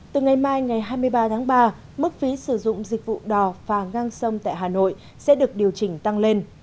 từ ngày mai ngày hai mươi ba tháng ba mức phí sử dụng dịch vụ đò phà ngang sông tại hà nội sẽ được điều chỉnh tăng lên